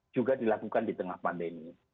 juga dilakukan di tengah pandemi